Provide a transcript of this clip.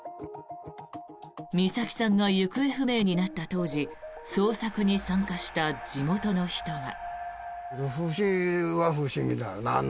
美咲さんが行方不明になった当時捜索に参加した地元の人は。